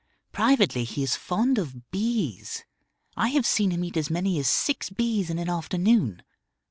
Privately he is fond of bees; I have seen him eat as many as six bees in an afternoon.